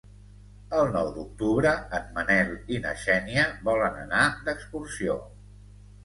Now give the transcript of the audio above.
El nou d'octubre en Manel i na Xènia volen anar d'excursió.